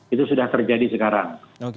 itu sudah terjadi sekarang